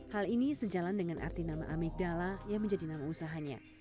hal ini sejalan dengan arti nama amegala yang menjadi nama usahanya